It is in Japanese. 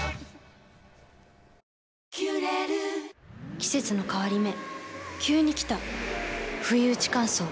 季節の変わり目急に来たふいうち乾燥。